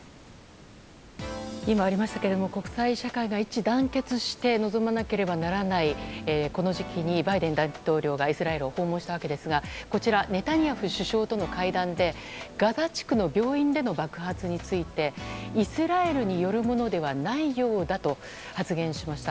今ありましたが国際社会が一致団結して臨まなければならないこの時期にバイデン大統領がイスラエルを訪問したわけですがネタニヤフ首相との会談でガザ地区の病院での爆発についてイスラエルによるものではないようだと発言しました。